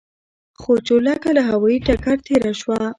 خو چورلکه له هوايي ډګر تېره شوه.